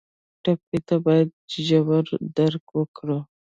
ټپي ته باید ژور درک وکړو.